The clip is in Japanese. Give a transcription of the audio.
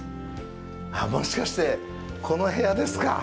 もしかしてこの部屋ですか。